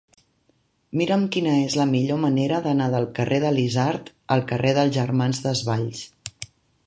Mira'm quina és la millor manera d'anar del carrer de l'Isard al carrer dels Germans Desvalls.